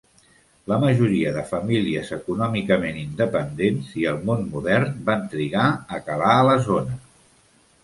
La majoria de famílies econòmicament independents i el món modern va trigar a calar a la zona.